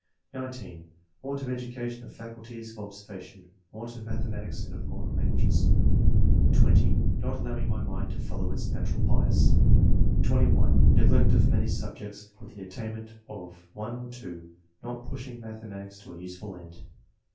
(19) "Want of education of faculties of ob aervotion ; want of mathematics, and of modem w;6a" IV.] EDUCATION. 249 (20) "Not allowing my mind to follow its natural bias." (21) "Neglect of many subjects for the at tainment of one or two ; not pushing mathe matics to a useful end."